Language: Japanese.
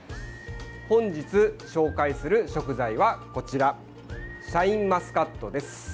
本日紹介する食材は、こちらシャインマスカットです。